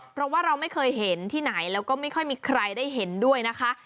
เพราะว่าเราไม่เคยเห็นที่ไหนแล้วก็ไม่ค่อยมีใครได้เห็นด้วยนะคะ